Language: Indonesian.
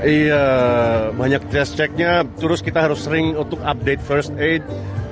iya banyak test checknya terus kita harus sering untuk update first aid